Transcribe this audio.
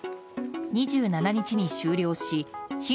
２７日に終了し親